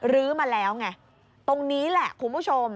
ื้อมาแล้วไงตรงนี้แหละคุณผู้ชม